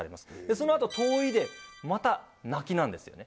そのあと「遠い」でまた泣きなんですよね